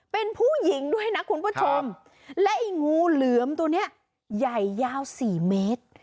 เป็นผู้หญิงด้วยนะคุณผู้ชมและไอ้งูเหลือมตัวนี้ใหญ่ยาวสี่เมตร